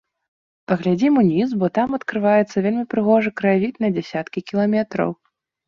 Паглядзім уніз, бо там адкрываецца вельмі прыгожы краявід на дзесяткі кіламетраў.